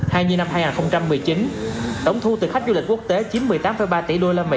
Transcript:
hay như năm hai nghìn một mươi chín tổng thu từ khách du lịch quốc tế chiếm một mươi tám ba tỷ usd